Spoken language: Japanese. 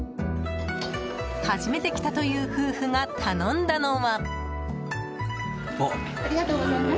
初めて来たという夫婦が頼んだのは。